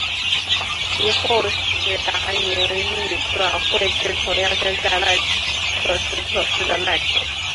其后史达宁亦转会至同样身在曼彻斯特市的曼城。